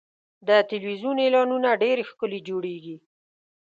د تلویزیون اعلانونه ډېر ښکلي جوړېږي.